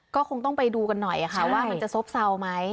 ก็คงต้องไปดูกันหน่อยค่ะว่ามันจะซบเซาไหม